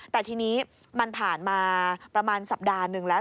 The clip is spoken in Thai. แต่ทีนี้มันผ่านมาประมาณสัปดาห์หนึ่งแล้ว